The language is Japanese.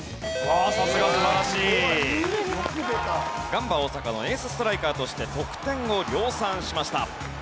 ガンバ大阪のエースストライカーとして得点を量産しました。